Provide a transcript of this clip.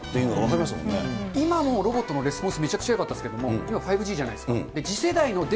今のロボットのレスポンス、めちゃくちゃよかったですけど今５Ｇじゃないですか。